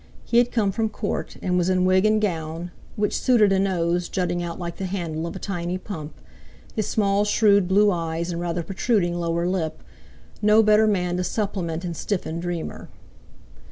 He had come from Court, and was in wig and gown, which suited a nose jutting out like the handle of a tiny pump, his small shrewd blue eyes, and rather protruding lower lip—no better man to supplement and stiffen Dreamer.